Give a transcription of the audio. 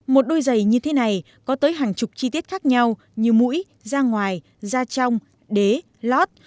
một đôi giày như thế này có tới hàng chục chi tiết khác nhau như mũi ra ngoài da trong đế lót